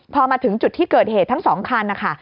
พอมาถึงจุดที่เกิดเหตุทั้ง๒คันนะคะ